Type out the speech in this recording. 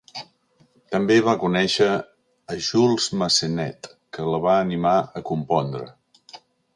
També va conèixer a Jules Massenet, que la va animar a compondre.